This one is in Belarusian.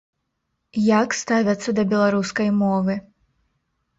Як ставяцца да беларускай мовы?